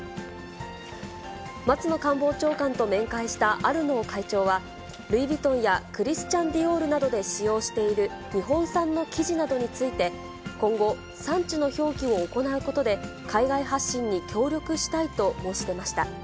松野官房長官と面会したアルノー会長は、ルイ・ヴィトンやクリスチャン・ディオールなどで使用している日本産の生地などについて、今後、産地の表記を行うことで、海外発信に協力したいと申し出ました。